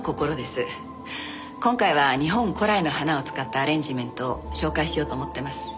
今回は日本古来の花を使ったアレンジメントを紹介しようと思ってます。